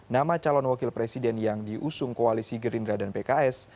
nama calon wakil presiden yang diusung koalisi gerindra dan pks